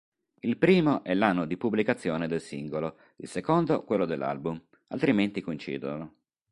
Il primo è l'anno di pubblicazione del singolo, il secondo quello dell'album; altrimenti coincidono.